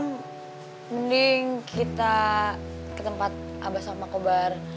mending kita ke tempat abah sama kobar